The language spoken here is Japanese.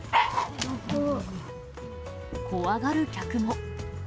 怖がる客も。